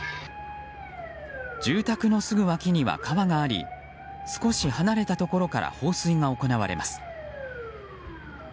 住宅のすぐ脇には川があり少し離れたところから放水が行われます。